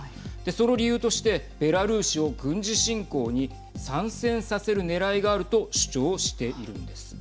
その理由としてベラルーシを軍事侵攻に参戦させるねらいがあると主張しているんです。